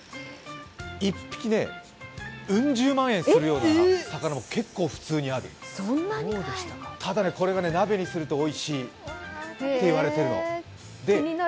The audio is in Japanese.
１匹、うん十万円するような魚も結構普通にあるただ、これが鍋にするとおいしいって言われてるの。